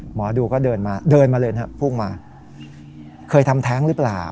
หมอดูก็เดินมาเดินมาเลยนะครับพุ่งมาเคยทำแท้งหรือเปล่า